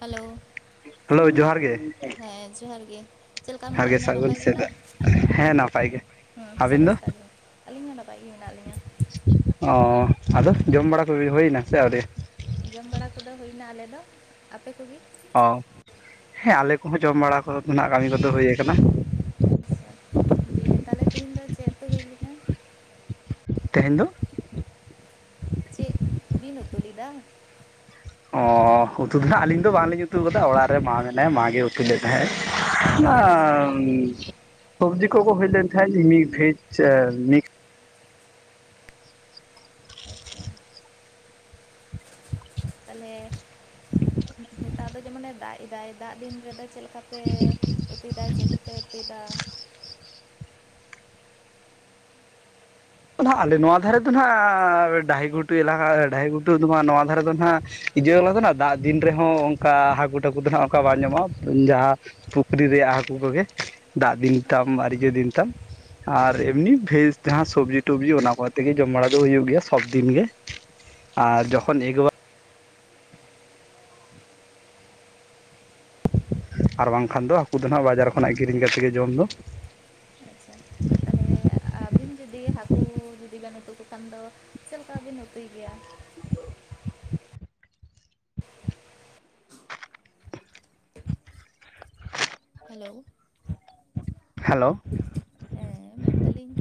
Hello hello ᱡᱚᱦᱟᱨ ᱜᱮ ᱦᱮᱸ ᱡᱚᱦᱟᱨ ᱜᱮ ᱪᱮᱫ ᱞᱮᱠᱟ ᱡᱚᱦᱟᱨ ᱢᱮᱱᱟᱜ ᱜᱮ ᱵᱮᱱᱟ ᱥᱟᱹᱜᱩᱱ ᱱᱟᱯᱟᱭ ᱜᱮᱛᱚ ᱥᱮᱛᱟᱜ ᱦᱮᱸ ᱱᱟᱯᱟᱭ ᱜᱮ ᱦᱮᱸ ᱟᱹᱵᱤᱱ ᱥᱟᱹᱜᱩᱱ ᱫᱚ ᱥᱛᱟᱜ ᱜᱮ ᱟᱹᱞᱤᱧ ᱦᱚᱸ ᱱᱟᱯᱟᱭ ᱜᱮ ᱦᱮᱱᱟᱜ ᱞᱤᱧᱟᱹ ᱚ ᱟᱫᱚ ᱡᱚᱢ ᱵᱟᱲᱟ ᱠᱚᱜ ᱦᱩᱭᱱᱟ ᱥᱮ ᱟᱹᱣᱨᱤ ᱡᱚᱢ ᱵᱟᱲᱟ ᱠᱚᱫᱚ ᱦᱩᱭᱱᱟ ᱟᱞᱮ ᱫᱚ ᱟᱯᱮ ᱠᱚ ᱜᱮᱼᱼ ᱚ ᱦᱮᱸ ᱟᱞᱮ ᱠᱚᱦᱚᱸ ᱡᱚᱢ ᱵᱟᱲᱟ ᱠᱚ ᱱᱟᱜ ᱠᱟᱹᱢᱤ ᱠᱚᱫᱚ ᱦᱩᱭ ᱟᱠᱟᱱᱟ ᱟᱪᱪᱷᱟ ᱫᱤᱭᱮ ᱛᱟᱦᱚᱞᱮ ᱛᱤᱦᱮᱧ ᱫᱚ ᱪᱮᱫ ᱩᱛᱩ ᱦᱩᱭ ᱞᱮᱱᱟ ᱛᱮᱦᱮᱧ ᱫᱚᱼᱼ ᱪᱮᱫ ᱵᱤᱱ ᱩᱛᱩ ᱞᱮᱫᱟ ᱚᱻ ᱩᱛᱩ ᱫᱚ ᱦᱟᱸᱜ ᱟᱹᱞᱤᱧ ᱫᱚ ᱵᱟᱝ ᱞᱤᱧ ᱩᱛᱩ ᱠᱟᱫᱟ ᱚᱲᱟᱜ ᱨᱮ ᱢᱟ ᱢᱮᱱᱟᱭᱟ ᱢᱟᱜ ᱜᱮ ᱩᱛᱩ ᱞᱮᱫ ᱛᱟᱦᱮᱸᱫ ᱟᱪᱪᱷᱟ [unintelligible] ᱥᱚᱵᱡᱤ ᱠᱚᱠᱚ ᱦᱮᱡ ᱞᱮᱱ ᱠᱷᱟᱱ [unintelligible] ᱟᱪᱪᱷᱟ ᱛᱟᱦᱚᱞᱮ ᱱᱮᱛᱟᱨ ᱫᱚ ᱡᱮᱢᱚᱱᱮ ᱫᱟᱜ ᱮᱫᱟᱭ ᱫᱟᱜ ᱫᱤᱱ ᱨᱮ ᱫᱚᱼᱼ ᱪᱮᱫ ᱞᱮᱠᱟ ᱯᱮ ᱩᱛᱩᱭ ᱮᱫᱟ ᱪᱮᱫ ᱠᱚᱯᱮ ᱩᱛᱩᱭ ᱮᱫᱟ ᱟᱞᱮ ᱱᱚᱣᱟ ᱫᱷᱟᱨᱮ ᱫᱚ ᱱᱟᱜ ᱰᱟᱹᱦᱤ ᱜᱷᱩᱴᱩ ᱮᱞᱟᱠᱟ ᱰᱟᱹᱦᱤ ᱜᱷᱩᱴᱩ ᱫᱚ ᱦᱟᱸᱜ ᱱᱚᱣᱟ ᱫᱷᱟᱨᱮ ᱫᱚ ᱱᱟᱜᱼᱼ ᱤᱭᱟᱹᱞᱟ ᱫᱟᱜ ᱫᱤᱱ ᱨᱮᱦᱚᱸ ᱚᱱᱠᱟ ᱦᱟᱹᱠᱩ ᱴᱟᱹᱠᱩ ᱫᱚ ᱦᱟᱸᱜ ᱚᱱᱠᱟ ᱵᱟᱝ ᱧᱟᱢᱚᱜᱼᱟ ᱡᱟᱦᱟᱸᱼᱼ ᱯᱩᱠᱷᱨᱤ ᱨᱮᱭᱟᱜ ᱦᱟᱹᱠᱩ ᱠᱚ ᱜᱮ ᱫᱟᱜ ᱫᱤᱱ ᱛᱟᱢ ᱟᱨᱤᱡᱟᱹ ᱫᱤᱱ ᱛᱟᱢ ᱟᱨ ᱮᱢᱱᱤ ᱵᱷᱮᱡᱽ ᱛᱮᱦᱚᱸ ᱥᱚᱵᱡᱤ ᱥᱚᱵᱡᱤ ᱚᱱᱟ ᱠᱚ ᱟᱛᱮ ᱜᱮ ᱡᱚᱢ ᱵᱟᱲᱟ ᱫᱚ ᱦᱩᱭᱩᱜ ᱜᱮᱭᱟ ᱥᱚᱵ ᱫᱤᱱ ᱜᱮ ᱟᱨ ᱟᱪᱪᱷᱟ ᱡᱚᱠᱷᱚᱱ [unintelligible] ᱟᱨ ᱵᱟᱝ ᱠᱷᱟᱱ ᱫᱚ ᱦᱟᱹᱠᱩ ᱫᱚ ᱦᱟᱸᱜ ᱵᱟᱡᱟᱨ ᱠᱷᱚᱱᱟᱜ ᱠᱤᱨᱤᱧ ᱠᱟᱛᱮᱫ ᱜᱮ ᱡᱚᱢ ᱫᱚ ᱟᱪᱪᱷᱟ ᱛᱟᱞᱦᱮ ᱟᱹᱵᱤᱱ ᱡᱩᱫᱤ ᱦᱟᱹᱠᱩ ᱡᱩᱫᱤ ᱵᱮᱱ ᱩᱛᱩ ᱠᱚ ᱠᱷᱟᱱ ᱫᱚ ᱪᱮᱫᱠᱟ ᱵᱤᱱ ᱩᱛᱩᱭ ᱜᱮᱭᱟ ᱦᱮᱞᱳ ᱦᱮᱞᱳ ᱦᱮᱸ ᱢᱮᱱ ᱫᱟᱞᱤᱧ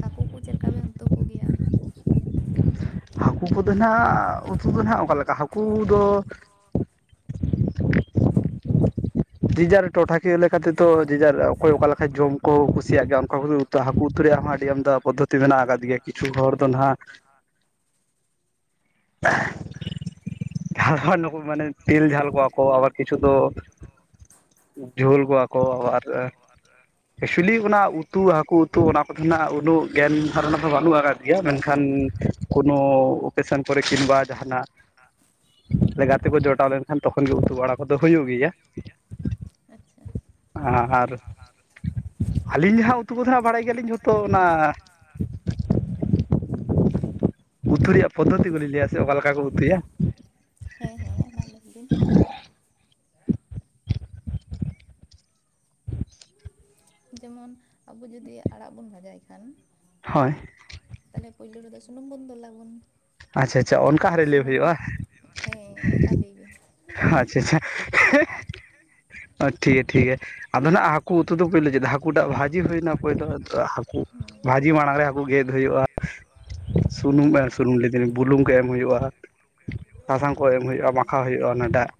ᱦᱟᱹᱠᱩ ᱠᱚ ᱪᱮᱫᱠᱟ ᱵᱮᱱ ᱩᱛᱩ ᱠᱚ ᱜᱮᱭᱟ ᱦᱟᱹᱠᱩ ᱠᱚ ᱫᱚ ᱱᱟᱸᱜ ᱩᱛᱩ ᱫᱚ ᱱᱟᱦᱟᱜ ᱚᱠᱟ ᱞᱮᱠᱟ ᱦᱟᱹᱠᱩ ᱫᱚᱼᱼ ᱡᱮ ᱡᱟᱨ ᱴᱚᱴᱷᱟ [unintelligible] ᱞᱮᱠᱟ ᱛᱮᱫᱚ ᱡᱮ ᱡᱟᱨ ᱚᱠᱚᱭ ᱚᱠᱟ ᱞᱮᱠᱟ ᱡᱚᱢ ᱠᱚ ᱠᱩᱥᱤᱭᱟᱜ ᱜᱮᱭᱟ ᱚᱱᱠᱟ ᱩᱛᱩ ᱦᱟᱹᱠᱩ ᱩᱛᱩ ᱨᱮᱭᱟᱜ ᱦᱚᱸ ᱟᱹᱰᱤ ᱟᱢᱫᱟ ᱯᱚᱫᱽᱫᱷᱚᱛᱤ ᱯᱚᱫᱷᱚᱛᱛᱤ ᱢᱮᱱᱟᱜ ᱟᱠᱟᱫ ᱜᱮᱭᱟ ᱠᱤᱪᱷᱩ ᱦᱚᱲ ᱫᱚ ᱱᱟᱦᱟᱜ [inaudible] [unintelligible] ᱡᱷᱟᱞ ᱡᱷᱟᱞ ᱱᱩᱠᱩ ᱢᱟᱱᱮ ᱛᱤᱞ ᱡᱷᱟᱞ ᱠᱚᱣᱟ ᱠᱚ ᱟᱵᱟᱨ ᱠᱤᱪᱷᱩ ᱫᱚᱼᱼ ᱡᱷᱳᱞ ᱠᱚᱣᱟ ᱠᱚ ᱟᱵᱟᱨ [unintelligible] ᱮᱠᱪᱩᱭᱮᱞᱤ ᱚᱱᱟ ᱩᱛᱩ ᱦᱟᱹᱠᱩ ᱩᱛᱩ ᱚᱱᱟ ᱠᱚᱫᱚ ᱱᱟᱜ ᱩᱱᱟᱹᱜ ᱜᱮᱭᱟᱱ ᱫᱷᱟᱨᱚᱱᱟ ᱫᱚ ᱵᱟᱹᱱᱩᱜ ᱟᱠᱟᱫ ᱜᱮᱭᱟ ᱢᱮᱱ ᱠᱷᱟᱱ ᱠᱳᱱᱳ ᱚᱯᱮᱥᱚᱱ ᱠᱚᱨᱮ ᱠᱤᱢᱵᱟ ᱡᱟᱦᱟᱱᱟᱜ ᱜᱟᱛᱮ ᱠᱚ ᱡᱚᱴᱟᱣ ᱞᱮᱱ ᱠᱷᱟᱱ ᱛᱚᱠᱷᱚᱱ ᱜᱮ ᱩᱛᱩ ᱵᱟᱲᱟ ᱠᱚᱫᱚ ᱦᱩᱭᱩᱜ ᱜᱮᱭᱟ ᱟᱪᱪᱷᱟ ᱟᱨ ᱟᱹᱞᱤᱧ ᱡᱟᱦᱟᱸ ᱩᱛᱩ ᱠᱚᱫᱚ ᱦᱟᱸᱜ ᱵᱟᱲᱟᱭ ᱜᱮᱭᱟ ᱞᱤᱧ ᱡᱷᱚᱛᱚ ᱚᱱᱟ ᱩᱛᱩ ᱨᱮᱭᱟᱜ ᱯᱚᱫᱫᱷᱚᱛᱤ ᱠᱩᱞᱤ ᱞᱟᱹᱭᱟ ᱥᱮ ᱚᱠᱟ ᱞᱮᱠᱟ ᱠᱚ ᱩᱛᱩᱭᱟ? ᱦᱮᱸ ᱦᱮᱸ ᱢᱟ ᱞᱟᱹᱭ ᱵᱤᱱ ᱡᱮᱢᱚᱱ ᱟᱵᱚ ᱡᱩᱫᱤ ᱟᱲᱟᱜ ᱵᱚᱱ ᱵᱷᱟᱡᱟᱭ ᱠᱷᱟᱱ ᱦᱳᱭ᱾ ᱛᱟᱦᱚᱞᱮ ᱯᱩᱭᱞᱳ ᱨᱮᱫᱚ ᱥᱩᱱᱩᱢ ᱵᱚᱱ ᱫᱳᱞᱟᱵᱚᱱ᱾ ᱟᱪᱪᱷᱟ ᱟᱪᱪᱷᱟ ᱚᱱᱠᱟ ᱦᱟᱹᱨᱤᱡ ᱞᱟᱹᱭ ᱦᱩᱭᱩᱜᱼᱟ? ᱦᱮᱸ ᱚᱱᱠᱟ ᱞᱟᱹᱭ ᱵᱤᱱ᱾ ᱟᱪᱪᱷᱟ ᱪᱷᱟ᱾ ᱴᱷᱤᱠᱜᱮ ᱴᱷᱤᱠᱜᱮ ᱟᱫᱚ ᱱᱟᱸᱜ ᱦᱟᱹᱠᱩ ᱩᱛᱩ ᱫᱚ ᱯᱳᱭᱞᱟᱹ ᱪᱮᱫᱟᱜ ᱦᱟᱠ ᱠᱩᱴᱟᱜ ᱵᱷᱟᱹᱡᱤ ᱦᱩᱭᱱᱟ ᱯᱳᱭᱞᱳ ᱦᱟᱹᱠᱩ ᱦᱮᱸ ᱵᱷᱟᱹᱡᱤ ᱢᱟᱲᱟᱝ ᱨᱮ ᱦᱟᱹᱠᱩ ᱜᱮᱫ ᱦᱩᱭᱩᱜᱼᱟ᱾ ᱦᱮᱸ ᱥᱩᱱᱩᱢ ᱮᱢ ᱥᱩᱱᱩᱢ ᱞᱫᱤᱧᱤᱧ ᱵᱩᱞᱩᱝ ᱠᱚ ᱮᱢ ᱦᱩᱭᱩᱜᱼᱟ, ᱥᱟᱥᱟᱝ ᱠᱚ ᱮᱢ ᱦᱩᱭᱩᱜᱼᱟ ᱦᱮᱸ ᱢᱟᱠᱷᱟᱣ ᱦᱩᱭᱩᱜᱼᱟ, ᱚᱱᱟ ᱫᱟᱜ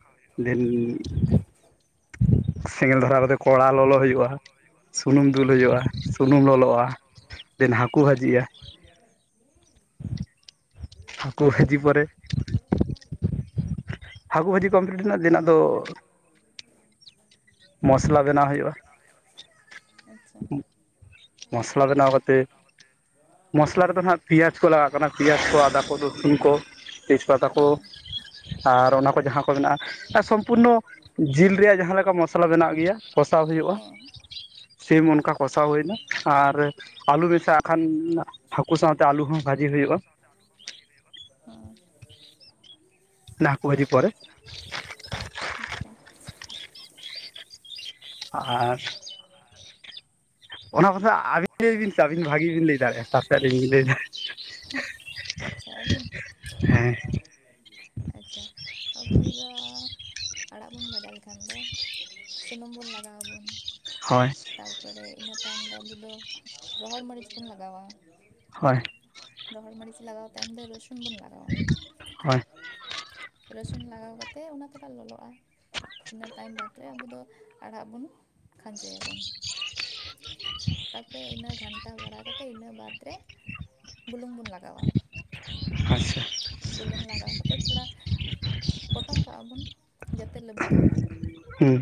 ᱫᱤᱱ ᱥᱮᱸᱜᱮᱞ ᱫᱷᱚᱨᱟᱣ ᱛᱮ ᱠᱚᱲᱟ ᱞᱚᱞᱚ ᱦᱩᱭᱩᱜᱼᱟ ᱥᱩᱱᱩᱢ ᱫᱩᱞ ᱦᱮᱸ ᱦᱩᱭᱩᱜᱼᱟ ᱥᱩᱱᱩᱢ ᱞᱚᱞᱚᱜᱼᱟ ᱫᱮᱱ ᱦᱟᱹᱠᱩ ᱵᱷᱟᱹᱡᱤᱜᱼᱟ᱾ [inaudible] ᱦᱟᱹᱠᱩ ᱵᱷᱟᱹᱡᱤ ᱯᱚᱨᱮ ᱡᱤ ᱯᱚᱨᱮ ᱦᱟᱹᱠᱩ ᱵᱷᱟᱹᱡᱤ ᱠᱚᱢᱯᱞᱤᱴ ᱨᱮᱱᱟᱜ ᱫᱮᱱ ᱟᱫᱚ [inaudible] ᱢᱚᱥᱞᱟ ᱵᱮᱱᱟᱣ ᱦᱩᱭᱩᱜᱼᱟ ᱱᱤᱛ, ᱟᱪᱪᱷᱟ᱾ ᱢᱚᱥᱞᱟ ᱵᱮᱱᱟᱣ ᱠᱟᱛᱮ ᱢᱚᱥᱞᱟ ᱨᱮᱫᱚ ᱱᱟᱦᱟᱸᱜ ᱯᱮᱸᱭᱟᱡ ᱠᱚ ᱞᱟᱜᱟᱜ ᱠᱟᱱᱟ ᱯᱮᱸᱭᱟᱡᱽ ᱠᱚ ᱟᱫᱟ ᱠᱚ ᱨᱚᱥᱩᱱ ᱠᱚ ᱛᱮᱡᱽᱯᱟᱛᱟ ᱠᱚ ᱦᱮᱸ ᱟᱨ ᱚᱱᱟ ᱠᱚ ᱡᱟᱦᱟᱸ ᱠᱚ ᱢᱮᱱᱟᱜᱼᱟ, ᱥᱚᱢᱯᱩᱨᱱᱚ ᱡᱤᱞ ᱨᱮᱭᱟᱜ ᱡᱟᱦᱟᱸᱮ ᱞᱮᱠᱟ ᱢᱚᱥ ᱥᱟᱞᱟ ᱵᱮᱱᱟᱜ ᱜᱮᱭᱟ ᱠᱚᱥᱟᱣ ᱦᱩᱭᱩᱜᱼᱟ ᱦᱮᱸ ᱥᱮᱢ ᱚᱱᱠᱟ ᱠᱚᱥᱟᱣ ᱦᱩᱭᱱᱟ, ᱟᱨ ᱟᱞᱩ ᱢᱮᱥᱟᱣᱟᱜ ᱠᱷᱟᱱ ᱦᱟᱹᱠᱩ ᱥᱟᱶᱛᱮ ᱟᱞᱩ ᱦᱚᱸ ᱵᱷᱟᱹᱡᱤ ᱦᱩᱭᱩᱜᱼᱟ᱾ ᱦᱚᱸ ᱚᱱᱟ ᱦᱟᱹᱠᱩ ᱵᱷᱟᱡᱤ ᱯᱚᱨᱮ ᱟᱪᱪᱷᱟ᱾ ᱟᱨ ᱟᱨ ᱚᱱᱟ ᱠᱚᱫᱚ ᱟᱹᱵᱤᱱ ᱞᱟᱹᱭ ᱵᱤᱱ ᱥᱮ ᱟᱹᱵᱤᱱ ᱵᱷᱟᱹᱜᱤ ᱵᱤᱱ ᱞᱟᱹᱭ ᱫᱟᱲᱮᱭᱟᱜᱼᱟ ᱛᱟᱨ ᱥᱮᱫ ᱟᱹᱞᱤᱧ ᱞᱟᱹᱭᱫᱟ᱾ ᱟᱪᱪᱷᱟ ᱟᱹᱞᱤᱧ? ᱦᱮᱸ᱾ ᱟᱪᱪᱷᱟ ᱟᱵᱩ ᱫᱚ ᱟᱲᱟᱜ ᱵᱚᱱ ᱵᱷᱟᱡᱟ ᱞᱮᱠᱷᱟᱱ ᱫᱚ ᱥᱩᱱᱩᱢ ᱵᱚᱱ ᱞᱟᱜᱟ ᱟᱵᱚᱱ, ᱦᱳᱭ᱾ ᱛᱟᱨ ᱯᱚᱨᱮ ᱤᱱᱟᱹ ᱛᱟᱭᱚᱢ ᱫᱚ ᱟᱵᱚ ᱫᱚ ᱨᱚᱦᱚᱲ ᱢᱟᱹᱨᱤᱪ ᱵᱚᱱ ᱞᱟᱜᱟᱣᱟ᱾ ᱦᱳᱭ᱾ ᱨᱚᱦᱚᱲ ᱢᱟᱹᱨᱤᱪ ᱞᱟᱜᱟᱣ ᱛᱟᱭᱚᱢ ᱫᱚ ᱨᱚᱥᱩᱱ ᱵᱚᱱ ᱞᱟᱜᱟᱣᱟ᱾ ᱦᱳᱭ᱾ [inaudible] ᱨᱟᱹᱥᱩᱱ ᱞᱟᱜᱟᱣ ᱠᱟᱛᱮᱫ ᱚᱱᱟ ᱛᱷᱚᱲᱟ ᱞᱚᱞᱚᱜᱼᱟ᱾ ᱤᱱᱟᱹ ᱛᱟᱭᱚᱢ ᱵᱟᱫ ᱨᱮ ᱟᱵᱚ ᱫᱚ ᱟᱲᱟᱜ ᱵᱚᱱ ᱠᱷᱟᱸᱡᱚᱭᱟᱵᱚᱱ᱾ ᱛᱟᱨᱯᱚᱨᱮ ᱤᱱᱟᱹ ᱜᱷᱟᱱᱴᱟ ᱵᱟᱲᱟ ᱠᱟᱛᱮ ᱤᱱᱟᱹ ᱵᱟᱫ ᱨᱮ ᱵᱩᱞᱩᱝ ᱵᱚᱱ ᱞᱟᱜᱟᱣᱟ, ᱟᱪᱪᱷᱟ ᱵᱩᱞᱩᱝ ᱞᱟᱜᱟᱣ ᱠᱟᱛᱮ ᱛᱷᱚᱲᱟ ᱯᱚᱴᱚᱢ ᱠᱟᱜᱼᱟ ᱵᱚᱱ ᱡᱟᱛᱮ ᱞᱟᱹᱵᱤᱫᱚᱜ ᱢᱟ᱾ ᱦᱩᱸ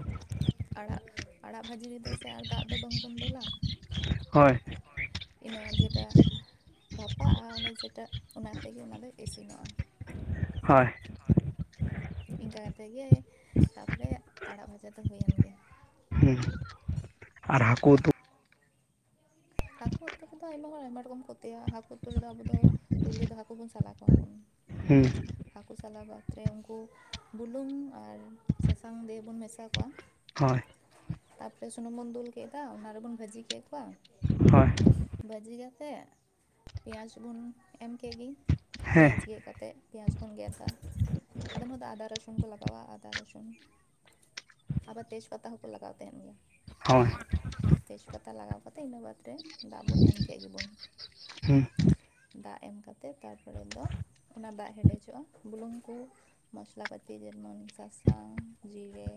ᱟᱲᱟᱜ ᱟᱲᱟᱜ ᱵᱷᱟᱹᱡᱤ ᱨᱮᱫᱚ ᱥᱮ ᱟᱨ ᱫᱟᱜ ᱫᱚ ᱵᱟᱝᱵᱚᱱ ᱫᱩᱞᱟ᱾ ᱦᱳᱭ ᱤᱱᱟᱹ ᱡᱮᱴᱟ ᱵᱷᱟᱯᱟᱜᱼᱟ ᱚᱱᱮ ᱡᱮᱴᱟ ᱚᱱᱟᱛᱮᱜᱮ ᱚᱱᱟᱫᱚ ᱤᱥᱤᱱᱚᱜᱼᱟ᱾ ᱦᱳᱭ᱾ ᱦᱳᱭ᱾ ᱤᱱᱠᱟ ᱠᱟᱛᱮᱫ ᱜᱮ ᱛᱟᱯᱚᱨᱮ ᱟᱲᱟᱜ ᱵᱷᱟᱡᱟ ᱫᱚ ᱦᱩᱭᱮᱱ ᱜᱮᱭᱟ᱾ ᱦᱩᱸ ᱟᱨ ᱦᱟᱹᱠᱩ ᱩᱛᱩ ᱦᱟᱹᱠᱩ ᱩᱛᱩ ᱨᱮᱫᱚ ᱟᱭᱢᱟ ᱦᱚᱲ ᱟᱭᱢᱟ ᱨᱚᱠᱚᱢ ᱠᱚ ᱩᱛᱩᱭᱟ, ᱦᱟᱹᱠᱩ ᱩᱛᱩ ᱨᱮᱫᱚ ᱟᱵᱚ ᱫᱚ ᱯᱳᱭᱞᱳ ᱫᱚ ᱦᱟᱹᱠᱩ ᱵᱚᱱ ᱥᱟᱞᱟ ᱠᱚᱣᱟ ᱵᱚᱱ᱾ ᱦᱮᱸ᱾ ᱦᱟᱹᱠᱩ ᱥᱟᱞᱟ ᱵᱟᱫᱽᱨᱮ ᱩᱱᱠᱩ ᱵᱩᱞᱩᱝ ᱟᱨ ᱥᱟᱥᱟᱝ ᱫᱤᱭᱮ ᱵᱚᱱ ᱢᱮᱥᱟ ᱠᱚᱣᱟ᱾ ᱦᱳᱭ᱾ ᱛᱟᱨᱯᱚᱨᱮ ᱥᱩᱱᱩᱢ ᱵᱚᱱ ᱫᱩᱞ ᱠᱮᱫᱟ ᱚᱱᱟ ᱨᱮᱵᱚᱱ ᱵᱷᱟᱹᱡᱤ ᱠᱮᱫ ᱠᱚᱣᱟ᱾ ᱦᱳᱭ᱾ ᱵᱷᱟᱹᱡᱤ ᱠᱟᱛᱮᱫ ᱯᱮᱸᱭᱟᱡᱽ ᱵᱚᱱ ᱮᱢ ᱠᱮᱫ ᱜᱮ, ᱦᱮᱸ ᱯᱮᱸᱭᱟᱡᱽ ᱜᱮᱫ ᱠᱟᱛᱮᱫ᱾ ᱯᱮᱸᱭᱟᱡ ᱵᱚᱱ ᱜᱮᱫᱟ, ᱟᱫᱚᱢ ᱦᱚᱬ ᱫᱚ ᱟᱫᱟ ᱨᱚᱥ ᱥᱩᱱ ᱠᱚ ᱞᱟᱜᱟᱣᱟ ᱟᱫᱟ ᱨᱥᱩᱱ, ᱟᱵᱟᱨ ᱛᱮᱡᱽ ᱯᱟᱛᱟ ᱦᱚᱸᱠᱚ ᱞᱟᱜᱟᱣ ᱛᱟᱦᱮᱱ ᱜᱮᱭᱟ᱾ ᱦᱳᱭ᱾ ᱛᱮᱡᱽ ᱯᱟᱛᱟ ᱞᱟᱜᱟᱣ ᱠᱟᱛᱮᱫ ᱤᱱᱟᱹ ᱵᱟᱫᱽ ᱨᱮ ᱫᱟᱜ ᱵᱚᱱ ᱮᱢ ᱠᱮᱫ ᱜᱮᱵᱚᱱ᱾ ᱦᱮᱸ᱾ ᱫᱟᱜ ᱮᱢ ᱠᱟᱛᱮ ᱛᱟᱨᱯᱚᱨᱮ ᱫᱚ ᱚᱱᱟ ᱫᱟᱜ ᱦᱮᱰᱮᱡᱚᱜᱼᱟ ᱵᱩᱞᱩᱝ ᱠᱚ, ᱢᱚᱥᱞᱟ ᱯᱟᱹᱛᱤ ᱡᱮᱢᱚᱱ ᱥᱟᱥᱟᱝ, ᱡᱤᱨᱮ,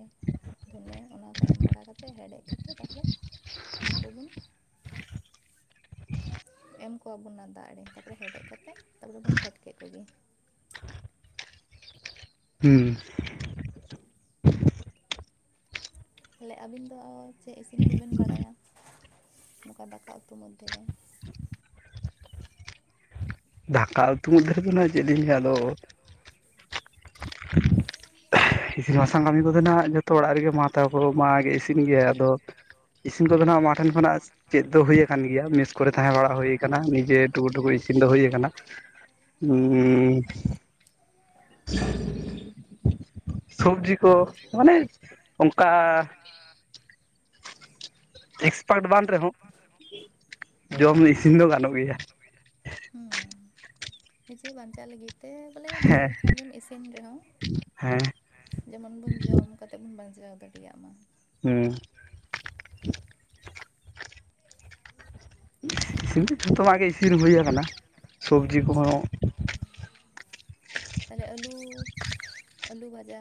ᱫᱷᱚᱱᱤᱭᱟᱹ ᱚᱱᱟ ᱠᱚ ᱮᱢ ᱵᱟᱲᱟ ᱠᱟᱛᱮᱫ ᱦᱮᱰᱮᱡ ᱠᱟᱛᱮ ᱛᱟᱯᱚᱨ ᱦᱟᱹᱠᱩ ᱵᱚᱱ ᱮᱢ ᱠᱚᱣᱟᱵᱚᱱ ᱚᱱᱟ ᱫᱟᱜ ᱨᱮ, ᱛᱟᱯᱚᱨᱮ ᱦᱮᱰᱮᱡ ᱠᱟᱛᱮ ᱛᱟᱯᱚᱨᱮ ᱵᱚᱱ ᱯᱷᱮᱰ ᱠᱮᱫ ᱠᱚᱜᱮ᱾ ᱦᱩᱸ᱾ ᱛᱟᱦᱚᱞᱮ ᱟᱹᱵᱤᱱ ᱫᱚ ᱪᱮᱫ ᱤᱥᱤᱱ ᱠᱚᱵᱮᱱ ᱵᱟᱲᱟᱭᱟ? ᱱᱚᱝᱠᱟ ᱫᱟᱠᱟ ᱩᱛᱩ ᱢᱚᱫᱽᱫᱷᱮᱨᱮ᱾ ᱫᱟᱠᱟ ᱩᱛᱩ ᱢᱚᱫᱽᱫᱷᱮ ᱨᱮᱫᱚ ᱱᱟᱜ ᱪᱮᱫ ᱞᱤᱧ ᱞᱟᱹᱭᱟ ᱟᱫᱚ᱾ ᱤᱥᱤᱱ ᱵᱟᱥᱟᱝ ᱠᱟᱹᱢᱤ ᱠᱚᱫᱚ ᱱᱟᱦᱥᱜ ᱡᱷᱚᱛᱚ ᱚᱲᱟᱜ ᱨᱮᱜᱮ ᱢᱟ ᱛᱟᱯᱚᱨᱮ ᱢᱟ ᱜᱮ ᱤᱥᱤᱱ ᱜᱮᱭᱟᱭ ᱟᱫᱚ ᱤᱥᱤᱱ ᱠᱚᱫᱚ ᱱᱟᱦᱜ ᱢᱟ ᱴᱷᱮᱱ ᱠᱷᱚᱱᱟᱜ ᱪᱮᱫ ᱫᱚ ᱦᱩᱭᱩ ᱟᱠᱟᱱ ᱜᱮᱭᱟ ᱢᱮᱥ ᱠᱚᱨᱮ ᱛᱟᱦᱮᱸ ᱵᱟᱲᱟ ᱦᱩᱭᱟᱠᱟᱱᱟ ᱱᱤᱡᱮ ᱴᱩᱠᱩ ᱴᱩᱠᱩ ᱤᱥᱤᱱ ᱫᱚ ᱦᱩᱭ ᱟᱠᱟᱱᱟ᱾ ᱦᱩᱸ ᱩᱸ [inaudible] ᱥᱚᱵᱽᱡᱤ ᱠᱚ ᱢᱟᱱᱮ ᱚᱱᱠᱟ ᱮᱠᱥᱯᱟᱴ ᱵᱟᱝ ᱨᱮᱦᱚᱸ ᱡᱚᱢ ᱤᱥᱤᱱ ᱫᱚ ᱜᱟᱱᱚᱜ ᱜᱮᱭᱟ᱾ ᱦᱩᱸ ᱱᱤᱡᱮ ᱵᱟᱧᱪᱟᱜ ᱞᱟᱹᱜᱤᱫ ᱛᱮ ᱵᱚᱞᱮ ᱡᱟᱦᱟᱸ ᱦᱮᱸ ᱞᱮᱠᱟ ᱜᱮᱢ ᱤᱥᱤᱱ ᱨᱮᱦᱚᱸ ᱦᱮᱸ᱾ ᱡᱮᱢᱚᱱ ᱵᱚᱱ ᱡᱚᱢ ᱠᱟᱛᱮᱫ ᱵᱚᱱ ᱵᱟᱧᱪᱟᱣ ᱫᱟᱲᱮᱭᱟᱜ ᱢᱟ᱾ ᱦᱩᱸ᱾ ᱤᱥᱤᱱ ᱫᱚ ᱡᱷᱚᱛᱚᱣᱟᱜ ᱜᱮ ᱤᱥᱤᱱ ᱦᱩᱭᱟ ᱠᱟᱱᱟ, ᱥᱚᱵᱽᱡᱤ ᱠᱚᱦᱚᱸ᱾ ᱟᱪᱪᱷᱟ ᱛᱟᱦᱞᱮ ᱟᱹᱞᱩ, ᱟᱹᱞᱩ ᱵᱷᱟᱡᱟ᱾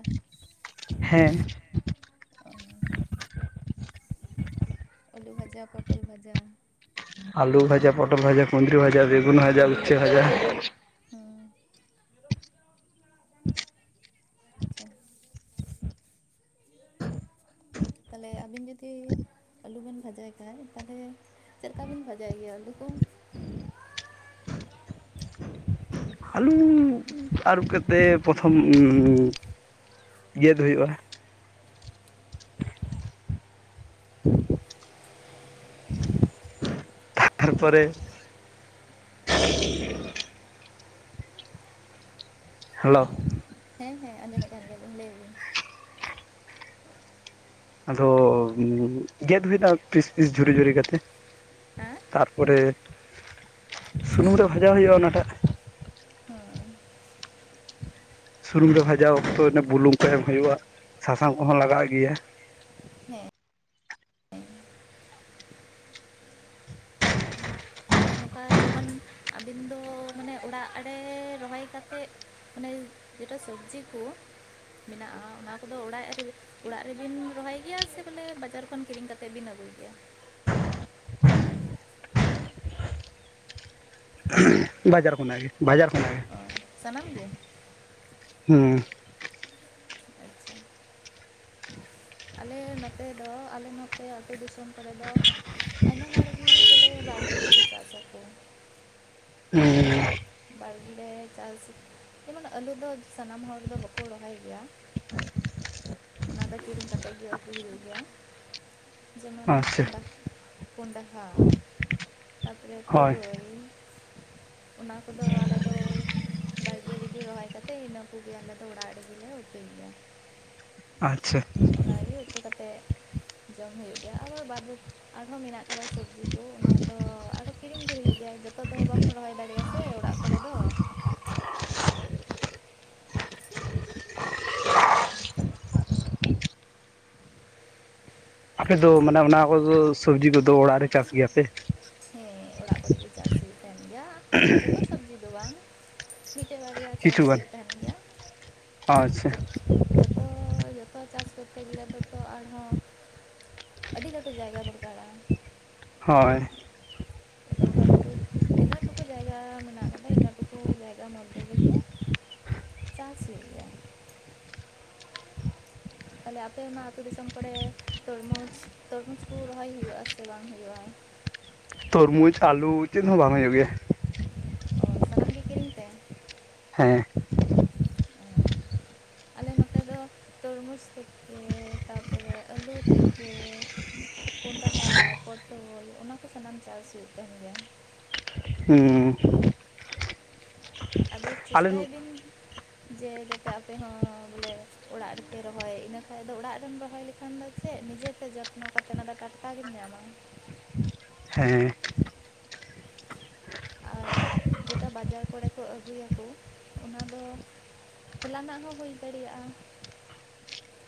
ᱦᱮᱸ᱾ ᱟᱹᱞᱩ ᱵᱷᱟᱡᱟ, ᱯᱚᱴᱚᱞ ᱵᱷᱟᱡᱟ᱾ ᱟᱞᱩ ᱵᱷᱡᱟ, ᱯᱚᱴᱚᱞ ᱵᱷᱟᱡᱟ, ᱠᱩᱸᱫᱽᱩᱨᱤ ᱵᱷᱟᱡᱟ, ᱵᱮᱜᱩᱱ ᱵᱷᱡᱟ, ᱩᱪᱪᱷᱟᱹ ᱵᱷᱡᱟ᱾ ᱦᱮᱸ ᱟᱪᱪᱷᱟ ᱛᱟᱦᱞᱮ ᱟᱹᱵᱤᱱ ᱡᱩᱫᱤ ᱟᱹᱞᱩᱚᱵᱮᱱ ᱵᱷᱟᱡᱟᱭ ᱠᱷᱟᱡ ᱛᱟᱦᱚᱞᱮ ᱪᱮᱫᱠᱟᱵᱮᱱ ᱵᱷᱟᱡᱟᱭ ᱜᱮᱭᱟ ᱟᱹᱞᱩ ᱠᱚ ᱟᱹᱞᱩ ᱟᱹᱨᱩᱵ ᱠᱟᱛᱮᱫ ᱯᱨᱚᱛᱷᱚᱢ ᱩᱸᱻ ᱜᱮᱫ ᱦᱩᱭᱩᱜᱼᱟ᱾ [inaudible] ᱛᱟᱨᱯᱚᱨᱮ ᱦᱮᱞᱳ ᱦᱮᱸ ᱦᱮᱸ ᱟᱸᱚᱢᱮᱫ ᱠᱟᱱ ᱜᱮᱭᱟᱞᱤᱧ ᱞᱟᱹᱭ ᱵᱤᱱ, ᱟᱫᱚ ᱜᱮᱫ ᱦᱩᱭ ᱮᱱᱟ ᱯᱤᱥ ᱯᱤᱥ ᱡᱷᱩᱨᱤ ᱡᱷᱩᱨᱤ ᱠᱟᱛᱮ, ᱦᱮᱸ ᱛᱟᱨᱯᱚᱨᱮ ᱥᱩᱱᱩᱢ ᱦᱮᱸ ᱨᱮ ᱵᱷᱟᱡᱟ ᱦᱩᱭᱩᱜᱼᱟ ᱚᱱᱟᱴᱟᱜ᱾ ᱦᱮᱸ ᱥᱩᱱᱩᱢ ᱨᱮ ᱵᱷᱟᱡᱟ ᱚᱠᱛᱚ ᱩᱱᱟᱹ ᱵᱩᱞᱩᱝ ᱠᱚ ᱮᱢ ᱦᱩᱭᱩᱜᱼᱟ ᱥᱟᱥᱟᱝ ᱠᱚᱦᱚᱸ ᱞᱟᱜᱟᱜ ᱜᱮᱭᱟ᱾ ᱦᱮᱸ ᱛᱟᱦᱚᱞᱮ ᱱᱚᱝᱠᱟ ᱡᱮᱢᱚᱱ ᱟᱹᱵᱤᱱ ᱫᱚ ᱢᱟᱱᱮ ᱚᱲᱟᱜ ᱨᱮ ᱨᱚᱦᱚᱭ ᱠᱟ ᱠᱟᱛᱮᱜ᱾ ᱢᱟᱱᱮ ᱡᱮᱴᱟ ᱥᱚᱵᱽᱡᱤ ᱠᱚ᱾ ᱢᱮᱱᱟᱜᱼᱟ ᱚᱱᱟ ᱠᱚᱫᱚ ᱚᱲᱟᱜ ᱚᱲᱟᱜ ᱨᱮᱵᱤᱱ ᱨᱚᱦᱚᱭ ᱜᱮᱭᱟ ᱥᱮ ᱵᱚᱞᱮ ᱵᱟᱡᱟᱨ ᱠᱷᱚᱱ ᱠᱤᱨᱤᱧ ᱠᱟᱛᱮ ᱛᱮᱵᱤᱱ ᱟᱹᱜᱩᱭ ᱜᱮᱭᱟ᱾ ᱦᱮᱞᱳ ᱵᱟᱡᱟᱨ ᱠᱷᱚᱱᱟᱜ ᱜᱮ ᱵᱟᱡᱟᱨ ᱠᱷᱚᱱᱟᱜ ᱜᱮ ᱚ ᱥᱟᱱᱟᱢ ᱜᱮ ᱦᱩᱸ, ᱟᱪᱪᱷᱟ ᱟᱞᱮ ᱱᱚᱛᱮ ᱫᱚ ᱟᱞᱮ ᱱᱚᱛᱮ ᱟᱹᱛᱩ ᱫᱤᱥᱚᱢ ᱠᱚᱨᱮ ᱫᱚ ᱟᱭᱢᱟ ᱦᱚᱲᱜᱤ ᱵᱚᱞᱮ ᱵᱟᱲᱜᱮ ᱫᱚᱠᱚ ᱪᱟᱥᱟ ᱠᱚ᱾ ᱦᱩᱸ ᱵᱟᱲᱜᱤ ᱨᱮ ᱪᱟᱥ ᱡᱮᱢᱚᱱ ᱟᱹᱞᱩ ᱫᱚ ᱥᱟᱱᱟᱢ ᱦᱚᱲ ᱫᱚ ᱵᱟᱠᱚ ᱨᱚᱦᱚᱭ ᱜᱮᱭᱟ᱾ ᱚᱱᱟ ᱫᱚ ᱠᱤᱨᱤᱧ ᱠᱟᱛᱮᱫ ᱜᱮ ᱟᱹᱜᱩ ᱦᱩᱭᱩᱜ ᱜᱮᱭᱟ᱾ ᱡᱮᱢᱚᱱ ᱟᱪᱪᱷᱟ ᱠᱚᱸᱰ ᱠᱚᱸᱰᱟᱦᱟ ᱛᱟᱯᱚᱨᱮ ᱦᱳᱭ ᱯᱩᱨᱟᱹᱭ᱾ ᱚᱱᱟ ᱠᱚᱫᱚ ᱟᱞᱮᱫᱚ ᱵᱟᱲᱜᱮ ᱨᱮᱜᱮ ᱨᱚᱦᱚᱭ ᱠᱟᱛᱮᱫ ᱤᱱᱟᱹ ᱠᱚᱜᱮ ᱟᱞᱮ ᱫᱚ ᱚᱲᱟᱜ ᱨᱮᱜᱮᱞᱮ ᱩᱛᱩᱭ ᱮᱫᱟ᱾ ᱟᱪᱪᱷᱟ, ᱚᱱᱟᱜᱮ ᱩᱛᱩ ᱠᱟᱛᱮᱫ, ᱡᱚᱢ ᱦᱩᱭᱩᱜ ᱜᱮᱭᱟ ᱟᱫᱚ ᱵᱟᱫ ᱵᱟᱠᱤ ᱟᱨᱦᱚᱸ ᱢᱮᱱᱟᱜ ᱠᱟᱫᱟ ᱥᱚᱵᱡᱤ ᱠᱚ ᱚᱱᱟ ᱫᱚ ᱟᱫᱚ ᱠᱤᱨᱤᱧ ᱫᱚ ᱦᱩᱭᱩᱜ ᱜᱮᱭᱟ ᱡᱚᱛᱚ ᱫᱚ ᱵᱟᱢ ᱨᱚᱦᱚᱭ ᱫᱟᱲᱮᱭᱟᱜᱼᱟ ᱥᱮ ᱚᱲᱟᱜ ᱠᱚᱨᱮ ᱫᱚ᱾ ᱟᱯᱮᱫᱚ ᱢᱟᱱᱮ ᱚᱱᱟ ᱠᱚ ᱦᱳᱲᱳ ᱫᱚ ᱥᱚᱵᱽᱡᱤ ᱠᱚᱫᱚ ᱚᱲᱟᱜ ᱨᱮ ᱪᱟᱥ ᱜᱮᱭᱟ ᱯᱮ, ᱦᱮᱸ ᱚᱲᱟᱜ ᱠᱚᱨᱮ ᱜᱮ ᱪᱟᱥ ᱦᱩᱭᱩᱜ ᱛᱟᱦᱮᱱ ᱜᱮᱭᱟ ᱡᱚᱛᱚ ᱥᱚᱵᱽᱡᱤ ᱫᱚ ᱵᱟᱝ, ᱢᱤᱫᱴᱮᱡ ᱵᱟᱨᱭᱟ ᱠᱤᱪᱷᱩ ᱪᱟᱥ ᱜᱟᱱ ᱦᱩᱭᱩᱜ ᱛᱟᱦᱮᱸᱱ ᱜᱮᱭᱟ᱾ ᱟᱪᱪᱷᱟ ᱡᱚᱛᱚ ᱡᱚᱛ ᱡᱚᱛᱚ ᱪᱟᱥ ᱠᱚᱨᱛᱮ ᱜᱮᱞᱮ ᱫᱚ ᱛᱚ ᱟᱨᱦᱚᱸ ᱟᱹᱰᱤ ᱞᱟᱹᱴᱩ ᱡᱟᱭᱜᱟ ᱫᱚᱨᱠᱟᱲᱟᱜᱼᱟ᱾ ᱦᱚᱭ ᱟᱫᱚ ᱩᱱᱟᱹᱜ ᱞᱟᱹᱴᱩ ᱛᱤᱱᱟᱹᱜ ᱴᱩᱠᱩ ᱡᱟᱭᱜᱟ ᱢᱮᱱᱟᱜ ᱠᱟᱫᱟ ᱤᱱᱟᱹᱜ ᱴᱩᱠᱩ ᱡᱟᱭᱜᱟ ᱢᱚᱫᱽᱫᱷᱮ ᱨᱮᱜᱮ᱾ ᱪᱟᱥ ᱦᱩᱭᱩᱜ ᱜᱮᱭᱟ᱾ ᱛᱟᱦᱚᱞᱮ ᱟᱯᱮ ᱚᱱᱟ ᱟᱹᱛᱩ ᱫᱤᱥᱚᱢ ᱠᱚᱨᱮ ᱛᱚᱨᱢᱩᱡᱽ ᱛᱚᱨᱢᱩᱡᱽ ᱠᱚ ᱨᱚᱦᱚᱭ ᱦᱩᱭᱩᱜᱼᱟ ᱥᱮ ᱵᱟᱝ ᱦᱩᱭᱩᱜᱼᱟ᱾ ᱛᱚᱨᱢᱩᱡᱽ ᱟᱞᱩ ᱪᱮᱫ ᱦᱚᱸ ᱵᱟᱝ ᱦᱩᱭᱩᱜ ᱜᱮᱭᱟ᱾ ᱚ ᱥᱟᱱᱟᱢ ᱜᱮ ᱠᱤᱨᱤᱧ ᱛᱮ, ᱦᱮᱸ ᱚ ᱟᱞᱮ ᱱᱚᱛᱮ ᱫᱚ ᱛᱚᱨᱢᱩᱡᱽ ᱛᱷᱮᱠᱮ ᱛᱟᱨᱯᱚᱨᱮ ᱟᱹᱞᱩ ᱛᱷᱮᱠᱮ ᱠᱚᱱᱰᱷᱟ, ᱯᱚᱴᱚᱞ, ᱚᱱᱟᱠᱚ ᱥᱟᱱᱟᱢ ᱪᱟᱥ ᱦᱩᱭᱩᱜ ᱠᱟᱱ ᱜᱮᱭᱟ᱾ ᱦᱩᱸ ᱟᱫᱚ ᱟᱞᱮ ᱪᱮᱥᱴᱟᱭᱵᱤᱱ᱾ ᱡᱮ ᱡᱟᱛᱮ ᱟᱯᱮ ᱦᱚᱸ ᱵᱚᱞᱮ ᱚᱲᱟᱜ ᱨᱮᱯᱮ ᱨᱚᱦᱚᱭ ᱤᱱᱟᱹ ᱠᱷᱟᱱ ᱫᱚ ᱚᱲᱟᱜ ᱨᱮᱢ ᱨᱚᱦᱚᱭ ᱞᱮᱠᱷᱟᱱ ᱫᱚ ᱥᱮ ᱱᱤᱡᱮ ᱯᱮ ᱡᱚᱛᱱᱚ ᱠᱟᱛᱮᱫ ᱚᱱᱟ ᱫᱚ ᱴᱟᱴᱠᱟᱜᱮᱢ ᱧᱟᱢᱟ᱾ ᱦᱮᱸ᱾ ᱟᱨ ᱡᱮᱴᱟ ᱵᱟᱡᱟᱨ ᱠᱚᱨᱮ ᱠᱚ ᱟᱹᱜᱩᱭᱟᱠᱚ ᱚᱱᱟ ᱫᱚ ᱦᱚᱞᱟᱱᱟᱜ ᱦᱚᱸ ᱦᱩᱭ ᱫᱟᱲᱮᱭᱟᱜᱼᱟ,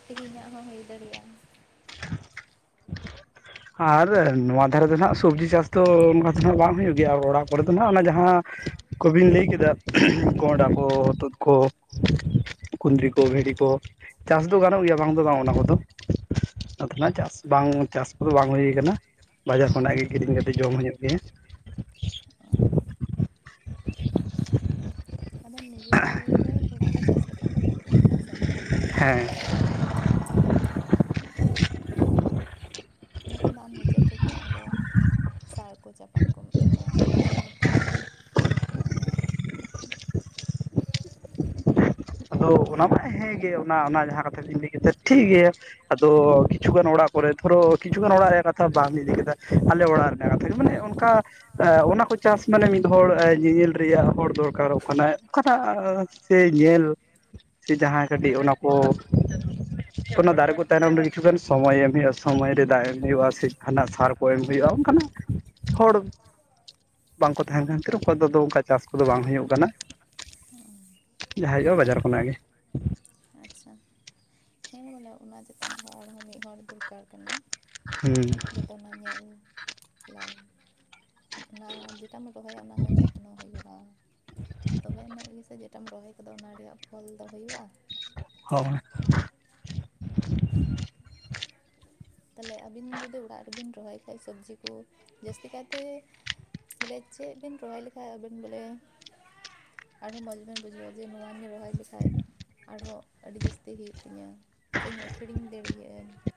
ᱛᱮᱦᱮᱧᱟᱜ ᱦᱚᱸ ᱦᱩᱭ ᱫᱟᱲᱮᱭᱟᱜᱼᱟ, ᱟᱨ ᱱᱚᱣᱟ ᱫᱷᱟᱨᱮ ᱫᱚ ᱱᱟᱸᱜ ᱥᱚᱵᱽᱡᱤ ᱪᱟᱥ ᱫᱚ ᱚᱱᱠᱟ ᱫᱚ [unintelligible] ᱵᱟᱝ ᱦᱩᱭᱩᱜ ᱜᱮᱭᱟ ᱚᱲᱟᱜ ᱠᱚᱨᱮ ᱫᱚ ᱱᱟᱦᱟᱸᱜ ᱚᱱᱟ ᱡᱟᱦᱟᱸ ᱠᱚᱵᱤᱱ ᱞᱟᱹᱭ ᱠᱮᱫᱟ ᱠᱚᱸᱰᱟ ᱠᱚ ᱦᱚᱛᱚᱫ ᱠᱚ, ᱠᱩᱫᱽᱨᱤ ᱠᱚ, ᱵᱷᱤᱰᱤ ᱠᱚ, ᱪᱟᱥ ᱫᱚ ᱜᱟᱱᱚᱜ ᱜᱮᱭᱟ ᱵᱟᱝ ᱫᱚ ᱵᱟᱝ ᱚᱱᱟ ᱠᱚᱫᱚ, ᱟᱫᱚ ᱱᱟᱜ ᱪᱟᱥ ᱵᱟᱝ ᱪᱟᱥ ᱠᱚᱫᱚ ᱵᱟᱝ ᱦᱩᱭ ᱠᱟᱱᱟ, ᱵᱟᱡᱟᱨ ᱠᱷᱚᱱᱟᱜ ᱜᱮ ᱠᱤᱨᱤᱧ ᱠᱟᱛᱮᱫ ᱡᱚᱢ ᱦᱩᱭᱩᱜ ᱜᱮᱭᱟ᱾ ᱟᱫᱚ ᱱᱤᱡᱮᱨ ᱚᱲᱟᱜ ᱨᱮ ᱪᱟᱥ ᱞᱮᱠᱷᱟᱱ ᱫᱚ ᱵᱷᱟᱜᱮᱜᱼᱟ ᱦᱮᱸᱥᱮ? ᱦᱮᱸ᱾ ᱤᱱᱟᱹ ᱠᱷᱟᱱ ᱫᱚ ᱟᱢ ᱱᱤᱡᱮ ᱛᱮᱜᱮ ᱚᱸᱰᱮ ᱥᱟᱨ ᱠᱚ ᱪᱟᱯᱟᱱ ᱠᱚᱢ ᱮᱢᱟ ᱱᱤᱡᱮᱨ ᱢᱚᱛᱚᱱᱮᱢ ᱡᱚᱛᱱᱚᱭᱟᱢ᱾ [inaudible] ᱟᱫᱚ ᱱᱤᱡᱮ ᱚᱱᱟ ᱢᱟ ᱦᱮᱸᱜᱮ ᱚᱱᱟ ᱚᱱᱟ ᱡᱟᱦᱟᱸ ᱠᱟᱛᱷᱟ ᱵᱤᱱ ᱞᱟᱹᱭ ᱠᱮᱫᱟ ᱴᱷᱤᱠ ᱜᱮᱭᱟ᱾ ᱟᱫᱚ ᱠᱤᱪᱷᱩ ᱜᱟᱱ ᱚᱲᱟᱜ ᱠᱚᱨᱮ ᱫᱷᱚᱨᱚ ᱠᱤᱪᱷᱩᱜᱟᱱ ᱚᱲᱟᱜ ᱨᱮᱭᱟᱜ ᱠᱟᱛᱷᱟ ᱵᱟᱢ ᱤᱫᱤ ᱠᱮᱫᱟ ᱟᱞᱮ ᱚᱲᱟᱜ ᱠᱟᱛᱷᱟ ᱜᱮ ᱢᱟᱱᱮ ᱚᱱᱠᱟ ᱢᱟᱱᱮ ᱚᱱᱟ ᱠᱚ ᱪᱟᱥ ᱢᱟᱱᱮ ᱢᱤᱫ ᱦᱚᱲ ᱧᱮᱧᱮᱞ ᱨᱮᱭᱟᱜ ᱦᱚᱲ ᱫᱚᱨᱠᱟᱨᱚᱜ ᱠᱟᱱᱟ, ᱚᱠᱟᱴᱟᱜ ᱥᱮ ᱧᱮᱞ ᱥᱮ ᱡᱟᱦᱟᱸ ᱠᱟᱹᱴᱤᱡ ᱚᱱᱟ ᱠᱚ ᱚᱱᱟ ᱫᱟᱨᱮ ᱠᱚ ᱛᱟᱭᱱᱚᱢ ᱨᱮ ᱠᱤᱪᱷᱩᱜᱟᱱ ᱥᱚᱢᱚᱭ ᱮᱢ ᱦᱩᱭᱩᱜᱼᱟ, ᱥᱚᱢᱚᱭ ᱨᱮ ᱫᱟᱜ ᱮᱢ ᱦᱩᱭᱩᱜᱼᱟ ᱥᱮ ᱦᱟᱱᱟ ᱥᱟᱨ ᱠᱚ ᱮᱢ ᱦᱩᱭᱩᱜᱼᱟ ᱚᱝᱠᱟᱱᱟᱜ ᱦᱚᱲ ᱵᱟᱝᱠᱚ ᱛᱟᱦᱮᱸᱱ ᱠᱟᱱ ᱛᱤᱨ ᱚᱠᱚᱭ ᱫᱚ ᱚᱱᱠᱟ ᱪᱟᱥ ᱠᱚᱫᱚ ᱵᱟᱝ ᱦᱩᱭᱩᱜ ᱠᱟᱱᱟ, ᱡᱟᱦᱟᱸ ᱦᱩᱭᱩᱜᱼᱟ ᱵᱟᱡᱟᱨ ᱚᱸᱰᱮ ᱠᱷᱚᱱᱟᱜ ᱜᱮ᱾ ᱟᱪᱪᱷᱟ ᱦᱮᱸ ᱵᱚᱞᱮ ᱚᱱᱟ ᱪᱮᱛᱟᱱ ᱨᱮ ᱦᱚᱲ ᱦᱚᱸ ᱢᱤᱫ ᱦᱚᱲ ᱫᱚᱨᱠᱟᱨ ᱠᱟᱱᱟ᱾ ᱦᱩᱸ ᱡᱚᱛᱚ ᱚᱱᱟ ᱧᱮᱞ ᱞᱟᱭ ᱚᱱᱟ ᱡᱮ ᱴᱟᱢ ᱨᱚᱦᱚᱭᱟ ᱚᱱᱟ ᱦᱚᱸ ᱡᱚᱛᱱᱚ ᱦᱩᱭᱩᱜᱼᱟ᱾ ᱛᱚᱵᱮ ᱟᱹᱱᱮᱡ ᱜᱮᱥᱮ ᱡᱮᱴᱟᱢ ᱨᱚᱦᱚᱭ ᱠᱟᱫᱟ ᱚᱱᱟ ᱨᱮᱭᱟᱜ ᱯᱷᱚᱞ ᱫᱚ ᱦᱩᱭᱩᱜᱼᱟ᱾ ᱦᱳᱭ᱾ ᱛᱟᱦᱞᱮ ᱟᱹᱵᱤᱱ ᱡᱩᱫᱤ ᱚᱲᱟᱜ ᱨᱮᱵᱤᱱ ᱨᱚᱦᱚᱭ ᱠᱷᱟᱡ ᱥᱚᱵᱽᱡᱤ ᱠᱩ, ᱡᱟᱹᱥᱛᱤ ᱠᱟᱭᱛᱮ ᱵᱚᱞᱮ ᱪᱮᱫ ᱵᱤᱱ ᱨᱚᱦᱚᱭ ᱞᱮᱠᱷᱟᱡ ᱟᱹᱵᱤᱱ ᱵᱚᱞᱮ ᱟᱨᱦᱚ ᱢᱚᱡ ᱵᱮᱱ ᱵᱩᱡᱷᱟᱹᱣᱟ ᱡᱮ ᱱᱚᱣᱟ ᱞᱤᱧ ᱨᱚᱦᱚᱭ ᱞᱮᱠᱷᱟᱡ ᱟᱨᱦᱚᱸ ᱟᱹᱰᱤ ᱡᱟᱹᱥᱛᱤ ᱦᱩᱭᱩᱜ ᱛᱤᱧᱟ ᱥᱮᱧ ᱟᱹᱠᱷᱨᱤᱧ ᱫᱟᱲᱤᱭᱟᱜᱟᱹᱧ᱾